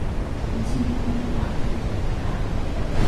Mji mkuu wake ni Milano.